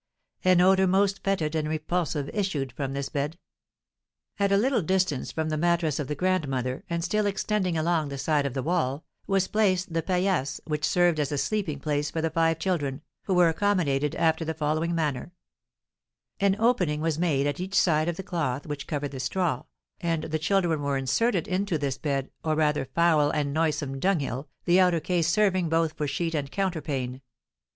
An odour most fetid and repulsive issued from this bed. At a little distance from the mattress of the grandmother, and still extending along the side of the wall, was placed the paillasse which served as a sleeping place for the five children, who were accommodated after the following manner: An opening was made at each side of the cloth which covered the straw, and the children were inserted into this bed, or, rather, foul and noisome dunghill, the outer case serving both for sheet and counterpane.